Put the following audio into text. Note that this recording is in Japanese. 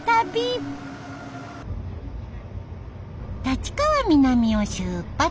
立川南を出発！